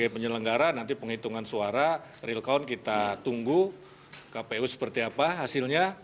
penyelenggara nanti penghitungan suara real count kita tunggu kpu seperti apa hasilnya